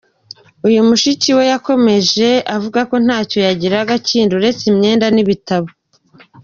Uyu mushiki we yakomeje avuga ko ntacyo yagiraga kindi uretse imyenda n’ibitabo.